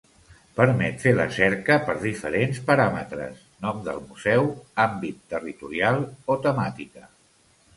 Permet fer la cerca per diferents paràmetres: nom del museu, àmbit territorial o temàtica.